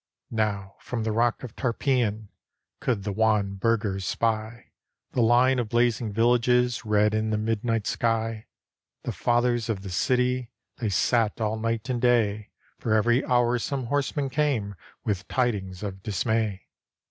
Now, from the rock Tarpeian, Could the wan burghers spy The line of blazing villages Red in the midnight sky. The Fathers of the City, They sat all night and day. For every hour some horseman came With tidings of dismay.